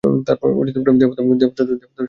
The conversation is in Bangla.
দেবতা তো তাকে সাড়া দিলেন না।